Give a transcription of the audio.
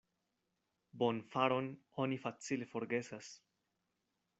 Bonfaron oni facile forgesas.